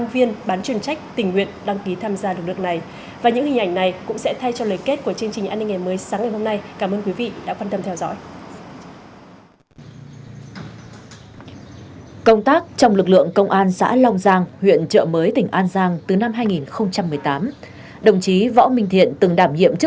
viết đơn tình nguyện đăng ký tham gia